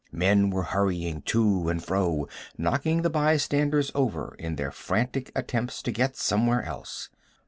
Men were hurrying to and fro, knocking the bystanders over in their frantic attempts to get somewhere else.